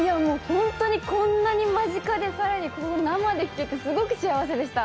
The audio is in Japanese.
本当にこんなに間近で、更に生で聴けてすごく幸せでした。